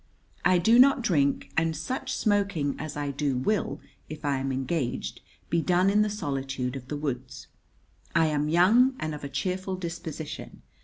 I do not drink, and such smoking as I do will, if I am engaged, be done in the solitude of the woods. I am young and of a cheerful disposition.